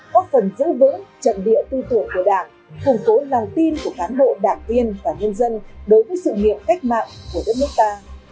góp phần giữ vững trận địa tuy thủ của đảng phùng phối lòng tin của cán bộ đảng viên và nhân dân đối với sự nghiệp cách mạng của đất nước ta